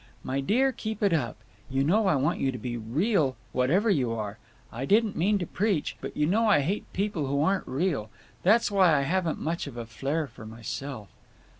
My Dear, keep it up. You know I want you to be real whatever you are. I didn't mean to preach but you know I hate people who aren't real—that's why I haven't much of a flair for myself.